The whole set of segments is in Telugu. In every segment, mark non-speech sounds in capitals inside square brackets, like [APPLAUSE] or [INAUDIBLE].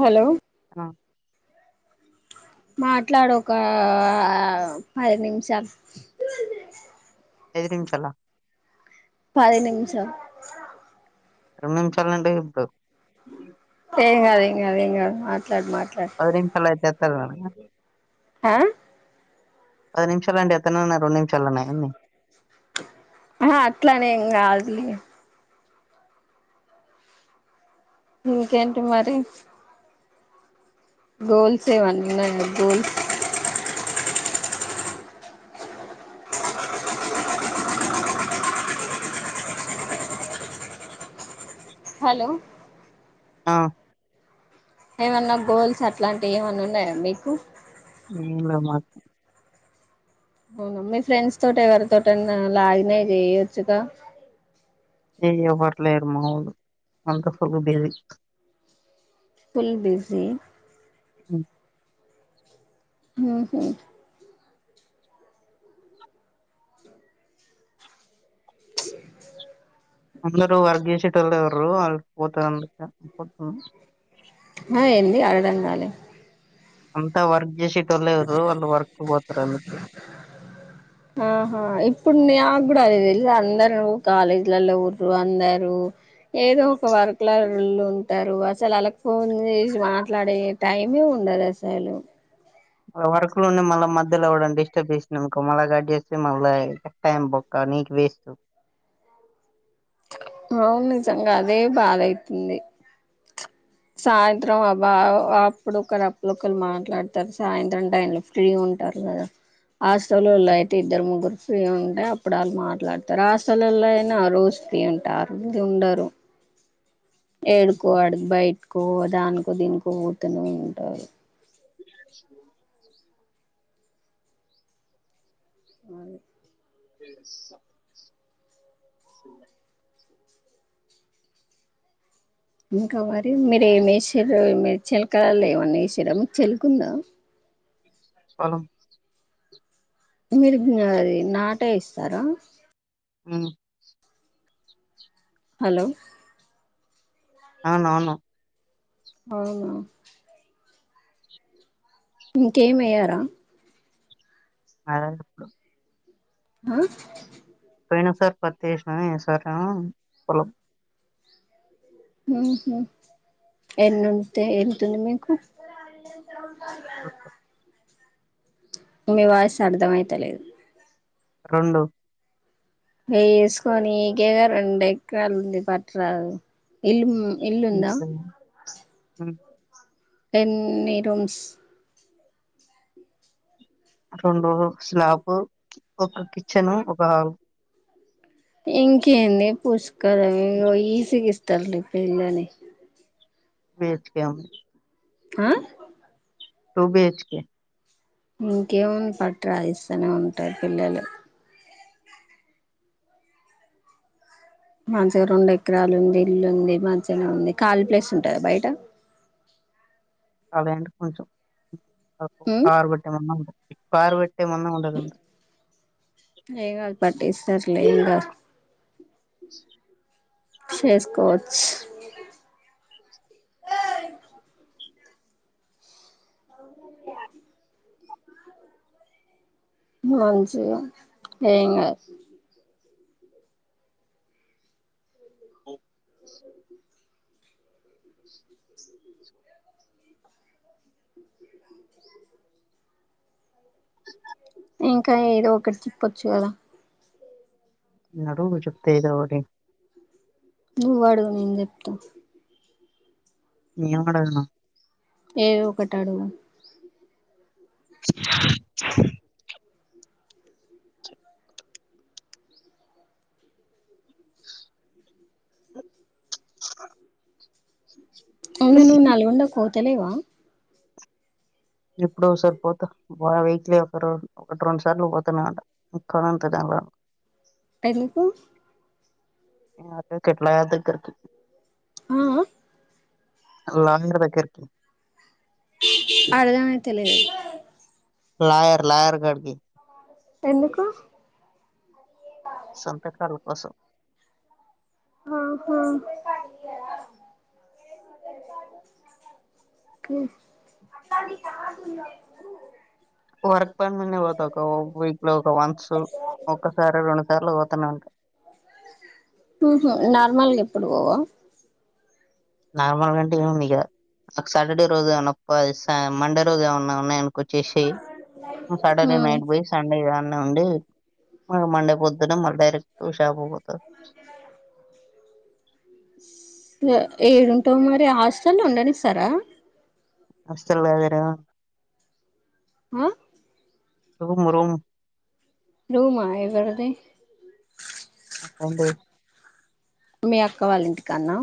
హలో అ మాట్లాడు ఒక ఆ ఐదు నిమిషాల్ ఎదిరించాల పది నిమిషం రెండు నిమిషాలంటే ఇప్పుడు ఏం కాద్ ఏం కాద్ ఏం కాద్ మాట్లాడు మాట్ పది నిముషాలు ఐతే ఏతరు గాని ఆ పది నిమిషాలంటె అతను ఉన్నా రెండు నిమిషాల అన్ని ఆ అట్లానేం కాదు లే ఇకేంటి మరి గోల్స్ ఎవ్వన ఉనయ గోల్స్ హలొ అ ఏమన్న గోల్స్ అట్లాంటి ఏమనున్నయ మీకు ఏం లె మాక్ ఔన మీ ఫ్రెండ్స్తోతోట్ ఎవర్తోటైన లాగిన్ అయి చేయొచ్చుగా ఏ ఎవ్వర్లేరు మాఓల్లు అంత ఫుల్ బిజీ పుల్ బిజీ మ్ ఊహు చ్ అందరూ వర్క్ జేశెటోల్లె ఉర్రు ఆల్ పోత అందకన్ ఇప్పడ్నున్ హ ఏంది అర్ధంగాలె అంత వర్క్ జేశె ట్టోల్లె ఉర్రు వాళ్ళు వర్కి పోతర్ అందుకె నాక్ గుడ అదె తెల్స అందరు కాలేజ్లల్ల ఉర్రు అందరూ ఏదో ఒక వర్క్లలలుంటరు అసల్ ఆళ్ళక్ ఫోన్ చేసి మాట్లాడే టైమే ఉన్ డద్ అసలు మల్ల వర్క్ లో ఉంది మళ్ళ మధ్యల ఎవడన్న డిస్టర్బ్ చేసిండనుకో మళ్ళ కట్ చేస్తే మళ్ళ టైం బొక్క నీక్ వేస్టు ఔన్ నిజంగ అదే బాదైతుంది సాయంత్రం అబ్బా అప్పుడోకర్ అప్పుడోకల్ మాట్లాడ్తర్ సాయంత్రం టైన్లో ఫ్రీ ఉన్ ఉంటారు గద హ్మ్. ఆస్టల్లోలైతే ఇద్దర్ ముగ్గురు ఫ్రీ ఉంటె అప్పుడళ్ళ్ మాట్లాడ్తర్ ఆస్టల్లోలైనా రోజ్ ఫ్రీ ఉంటారు ఇగ ఉండరు ఏడికో ఆడిక్ బైట్కో దాన్కో దీన్కో పోతనే ఉంటారు ఔను ఇంక మరి మిర్ ఏమేశ్శిర్రు మీ చిల్కలళ్ళో ఏమన్న ఏషిర్రా మీక్ చెలకుందా హలో మీరు ఇంగ అది నాటేయిస్తరా ఉ హలొ అవునవును ఔనా ఇంకేమేయ్యర [UNINTELLIGIBLE] ఇప్పుడు అ పోయిన సార్ పత్తేష్నము ఈ సారెమొ పొలం మ్ హు ఎన్నుంటె ఎంతుంది మీకు అహ మీ వాయిస్ అర్ధం ఐతలేదు రొండు ఏస్కొ నికేగ రెండేక్రాల్ ఉంది పట్ట్రాదు ఇల్లుమ్ ఎన్నీ రూమ్స్ రొండు రూమ్స్ నాకు ఒక కిచెను ఒక ఇంకేంది పుష్కలం ఇగ్ ఈజీగిస్తర్ నిక్ పిల్లని వేత్కాం అ టుబిహెచ్కె ఇంకేముంది పట్ట్ రాదు ఇస్తనే ఉంటాయ్ పిల్లలు మంచిగ రెండు ఎకరాలు ఉంది ఇల్లు ఉంది మంచిగనే ఉంది ఖాళీ ప్లేస్ ఉంటదా బయట ఖాళీ అంటె కొంచెం అ ఉమ్ కారు బెట్టే మందం కారు బె ట్టె మందం ఉంటదండి ఎం గాద్ పట్టిస్తర్లే ఇంగ చేసుకోవచ్చ్ మంచిగా ఏన్ గాద్ ఇంకా ఏదో ఒకటి చెప్పొచ్చు గదా అడుగు చెప్తా ఏదొ ఒకటి నువ్వడుగు నేను చెప్తా ఏం అడగను ఏదొ ఒకటి అడుగు అవును నువ్వు నల్గొండక్ పోతలేవా ఎప్పుడొ ఒసారి పోత బా వీక్లీ ఒక రెన్ ఒకటి రెండు సార్లు పోతానే ఉంట ఉక్క అంత కామరాన్ ఎందుకు అదే కట్లా దెగ్గరికి ఆ అ ఆలందరి దెగ్గరికి అర్ధమైతలేదు లాయర్ లాయర్ కాడికి ఎందుకు సొంత కల కోసం ఆహా కే వర్ ఇప్పటి నుండే పోతా ఒక వీక్ లో ఒక వన్స్ ఒకసారి రెండు సార్లు పోతానే ఉం ఉ హు నార్మల్గా ఎప్పుడు పోవా నార్మల్ గంటే ఏముందిగా సాటర్డే రోజు ఏమన్న ప స మండే రోజు ఏమన్న ఉన్నయన్ కొచ్చేసేయ్ సాటర్డే నైట్ పోయి సండే ఇగ అన్ న్నె ఉండి మళ్ళ మండే పొద్దన్నే మళ్ళ డైరెక్టు షాప్కు పోతా ఎ ఏడుంటవు మరి హాస్టల్లో ఉండనిస్తరా హాస్టల్లో లేనుగా అ రూమ్ రూమ్ రూమా ఎవరిది మ ఫ్రెండ్ ది మీ అక్క వాళ్ళ ఇంటికాన్నా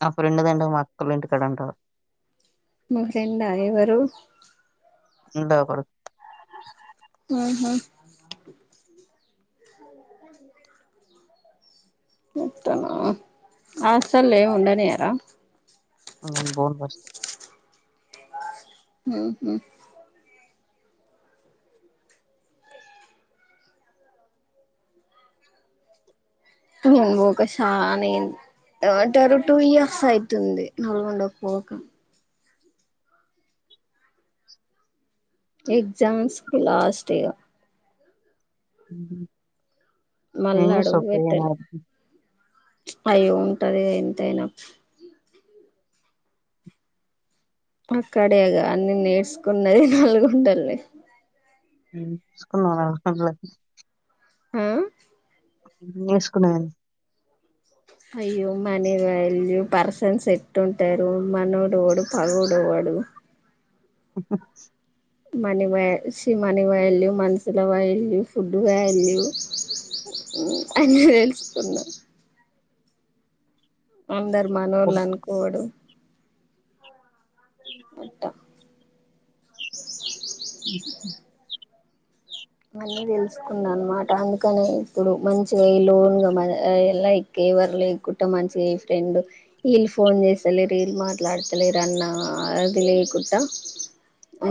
నా ఫ్రెండ్ దంటే మా అక్కళ్ళోటికాడ అంటవ్ మీ ఫ్రెండా ఎవరు ఉండే ఒకడు ఆ హా మొత్తమా హాస్టల్ల ఏం ఉండనియరా నెన్ బొను ఫస్టు ఉ హు నేను బోక శాన అయింది ఏమాంటరు టూ ఇయర్స్ అయితుంది నల్గొండక్ పోక ఎగ్జామ్స్ కి లాస్ట్ ఇగ హుహు ఏం మళ్ళా అడుగు చేస్తావ్ పోయిన పెట్టాలే ఆటికి అయ్యో ఉంటదిగా ఎంతయిన అక్కడేగా అన్ని నేర్చుకున్నది నల్గొండల్నే నేర్సుకున్నావా ఉ ఏం నేర్చుకున్నావె అయ్యో మనీ వాల్యూ పర్సన్స్ ఎట్లుంటారు మనోడేవడు పగోడెడవు డు మనీ వ్య సి మన వాల్యూ మనుషుల వాల్యూ ఫుడ్ వాల్యూ ఉ అన్ని తెలుసుకున్నా అందరు మనోళ్ళనుకోవుడు అట్ట హు అన్నీ తెలుసుకున్నా అన్నమాట అందుకని ఇప్పుడు మంచిగా ఇల్లు కొన్న మ ఎ లైక్ ఎవరు లేకుట మంచిగా ఫ్రెండ్ వీళ్ళు ఫోన్ చేస్తలేర్ ఇళ్ళు మాట్లాడతలేరన్నా అది లేకుట్ట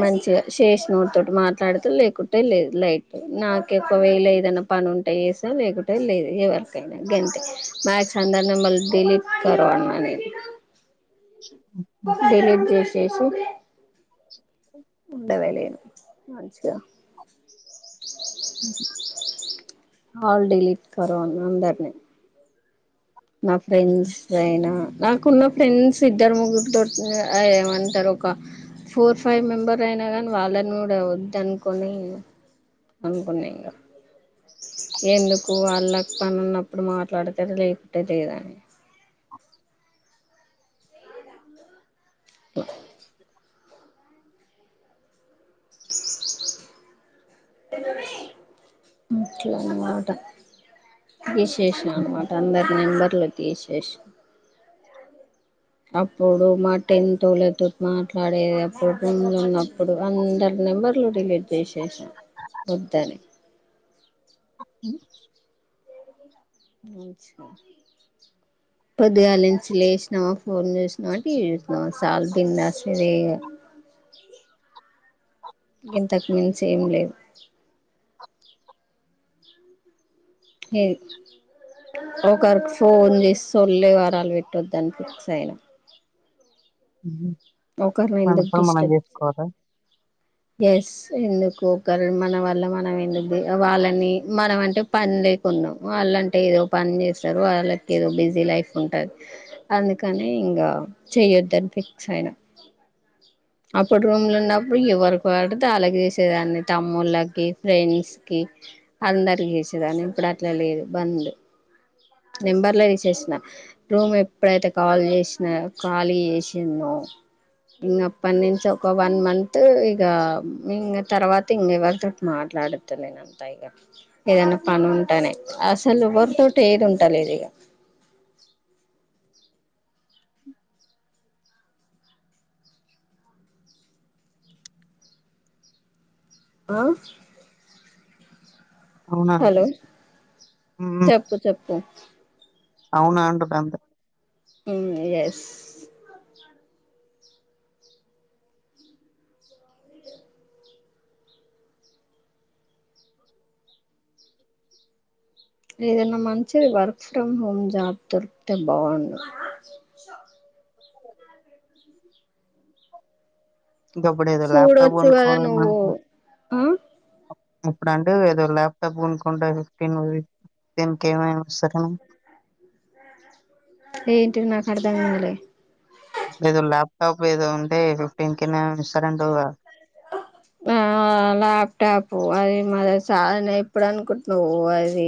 మంచిగా శేషినోళ్ల తోటి మాట్లాడితే లేకుటే లేదు లైట్ నాకు ఒక్కవేళ ఏదైనా పని ఉంటే ఏసా లేకుంటే లేదు ఎవరికైనా గంతే మాక్స్ అందరి నంబర్లు డిలీట్ కరో నే డిలీట్ చేసేసి టవలెను మంచిగా ఉ హు ఆల్ డిలీట్ కారో అందరిని మా ఫ్రెండ్స్ అయినా నాకున్న ఫ్రెండ్స్ ఇద్దరు ముగ్గురితో ఏమంటారు ఒక ఫోర్ ఫైవ్ మెంబర్ అయినా కానీ వాళ్ళని కూడా వద్దనుకని అనుకున్న ఇంగ ఎందుకు వాళ్ళక్ పని ఉన్నప్పుడు మాట్లాడతరు లేకుటే లేదని అట్ల అన్మాట తిశేశ్న అన్మాట అందరి నంబర్లు తీషేష్ణ అప్పుడు మా టెన్తోల్ల తోటి మాట్లాడేది అప్పుడు రూమ్ లో ఉన్నప్పుడు అందరు నెంబర్లు డిలీట్ చేసేస్నా వద్దని ఉ మంచిగా పొద్దుగాల నుంచి లేసినమా ఫోన్ చూసినమా టీవీ చూసినమా సాలు బిందాస్గా గింతకు మించి ఏం లేవు లేదు ఒకరికి ఫోన్ చెస్ సొల్లు ఎవ్వారాలు పెట్టొద్దాని ఫిక్స్ అయినా ఉ హు ఒకరిని మన ఎందుకు పని మనం డిస్టర్బ్ చేసుకోవాల ఎస్ ఎందుకు ఒకర్ మన వల్ల మనం ఎందుకు వాళ్ళని మనం అంటే పన్ లేకున్నమో అళ్ళంటే ఏదో పని చేస్తారు వాళ్ళకి ఏదో బిజీ లైఫ్ ఉంటది అందుకని ఇంగ చెయొద్దని ఫిక్స్ అయిన అప్పుడు రూమ్ లో ఉన్నప్పుడు ఎవరికి వడితే అళ్ళకి చేసేదాన్ని తమ్ముళ్ళకి ఫ్రెండ్స్ కి అందరికి చేసేదాని ఇప్పుడు అట్లా లేదు బంద్ నంబర్లె తీసేసిన రూమ్ ఎప్పుడైతే ఖాళీ చేసిన ఖాళీ చేసిన్నో ఇంగ అప్పడుంచి ఒక వన్ మంత్ ఇగ ఇంగ తర్వాత ఇంగ్ ఎవతోటి మాట్ మాట్లాడతలేన్ అంట ఇగ ఏదైన పని ఉంటేనే అసలు ఎవరు తోటి ఏది ఉ ఉంటలేదిగ ఆ అవునా హలో చెప్పు చెప్పు అవునా అంటు గంతే మ్ ఎస్ ఏదైనా మంచిది వర్క్ ఫ్రొం హోమ్ జాబ్ దొరికితే బావుండు హలో గప్పుడేదొ లాప్టాప్ చూడొచ్చు కదా కొనుకుందాం నువ్వు అనుకున్ ఆ ఇప్పుడు అంటివి ఎదో లాప్టాప్ కొనుకుంట ఫిఫ్టీన్ది టెన్కి ఏమైన సరే ఏంటి నాకు అర్ధం కాలే ఏదో లాప్టాప్ ఏదొ ఉంటే ఫిఫ్టీన్ కెనో ఇస్తారంటువుగా ఆ లాప్టాప్ అది మది సాయి ఎప్పుడు అనుకుంటున్నావు అది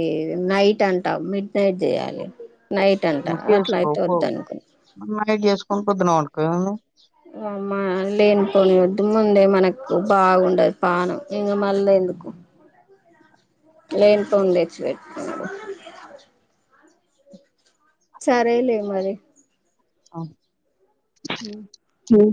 నైట్ అంటా మిడ్ నైట్ చేయాలి నైట్ అంటా అందుకే అట్లా అయితే వొద్దు అనుకున్ పొద్దున పొద్దున పన్నుకో ఎం ఉంది ఒమా లేని పొనివి ఒద్ మ్ముండే మనకు బాగుండదు పానం ఇంగ మళ్ళ ఎందుకు లేనుపోను తెచ్చిపెటుకునుడు సరేలే మరి ఆ ఉమ్ ఉమ్